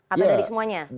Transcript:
atau dari semuanya